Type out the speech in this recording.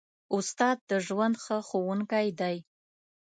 استاد د ژوند ښه ښوونکی دی.